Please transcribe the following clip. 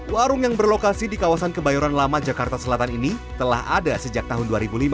warung yang berlokasi di kawasan kebayoran lama jakarta selatan ini telah ada sejak tahun dua ribu lima